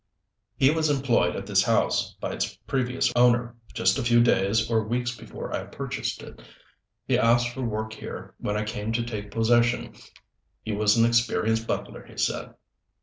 "He was employed at this house by its previous owner, just a few days or weeks before I purchased it. He asked for work here when I came to take possession. He was an experienced butler, he said."